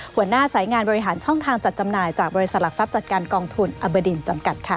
หัวหน้าสายงานบริหารช่องทางจัดจำหน่ายจากบริษัทหลักทรัพย์จัดการกองทุนอบดินจำกัดค่ะ